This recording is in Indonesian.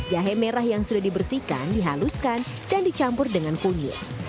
jahe merah yang sudah dibersihkan dihaluskan dan dicampur dengan kunyit